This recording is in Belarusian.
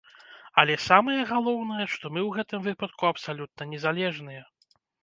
Але самае галоўнае, што мы ў гэтым выпадку абсалютна незалежныя.